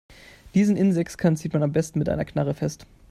Diesen Innensechskant zieht man am besten mit einer Knarre fest.